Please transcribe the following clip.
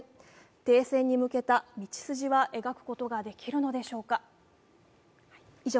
停戦に向けた道筋は描くことができるのでしょうか。